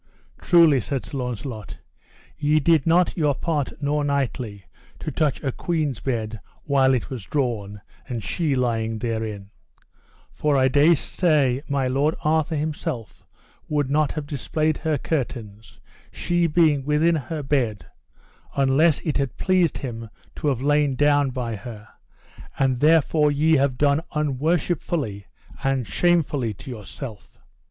Truly, said Sir Launcelot, ye did not your part nor knightly, to touch a queen's bed while it was drawn, and she lying therein; for I dare say my lord Arthur himself would not have displayed her curtains, she being within her bed, unless that it had pleased him to have lain down by her; and therefore ye have done unworshipfully and shamefully to yourself.